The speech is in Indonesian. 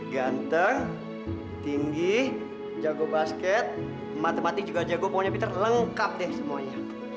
ganteng tinggi jago basket matematik juga jago pokoknya peter lengkap deh semuanya